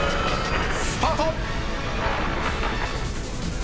［スタート！］